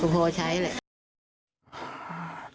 พอใช้เลย